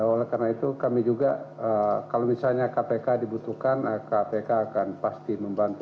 oleh karena itu kami juga kalau misalnya kpk dibutuhkan kpk akan pasti membantu